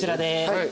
はい。